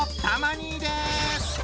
たま兄です！